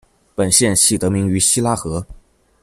本县系得名于希拉河。